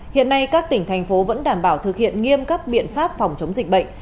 hiện nay các tỉnh thành phố vẫn đảm bảo thực hiện nghiêm các biện pháp phòng chống dịch bệnh